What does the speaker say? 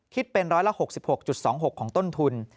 คิดเป็นร้อยละ๖๖๒๖ของต้นทุน